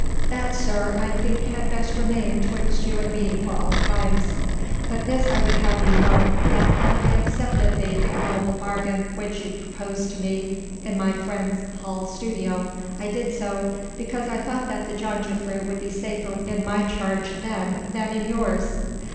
"That, sir, I think had best remain 'twixt you and me for all times. But this I would have you know, that when I accepted the ignoble bargain which you proposed to me in my friend Hals' studio, I did so because I thought that the jongejuffrouw would be safer in my charge then than in yours!"